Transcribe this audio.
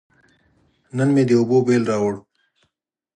نن مې د اوبو بیل راووړ.